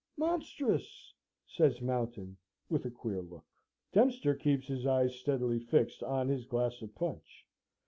"Monstrous!" says Mountain, with a queer look. Dempster keeps his eyes steadily fixed on his glass of punch.